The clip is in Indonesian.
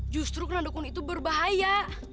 justru karena dukun itu berbahaya